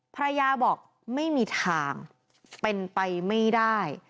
ภรรยาบอกไม่มีทางเป็นไปไม่ได้